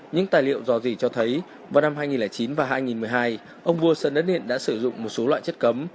những tài liệu dò dỉ cho thấy vào năm hai nghìn chín và hai nghìn một mươi hai ông vua serned điện đã sử dụng một số loại chất cấm